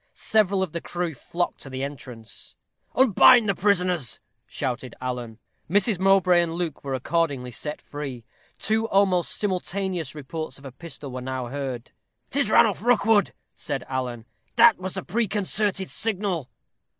Several of the crew flocked to the entrance. "Unbind the prisoners," shouted Alan. Mrs. Mowbray and Luke were accordingly set free. Two almost simultaneous reports of a pistol were now heard. "'Tis Ranulph Rookwood," said Alan; "that was the preconcerted signal."